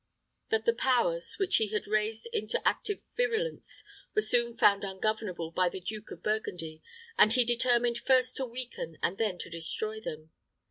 But the powers, which he had raised into active virulence, were soon found ungovernable by the Duke of Burgundy, and he determined first to weaken, and then to destroy them.